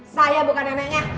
saya bukan neneknya